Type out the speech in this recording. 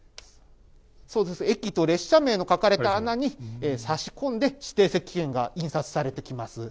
そうです、駅と列車名の書かれた穴に差し込んで、指定席券が印刷されていきます。